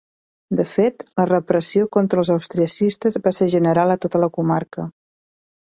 De fet, la repressió contra els austriacistes va ser general a tota la comarca.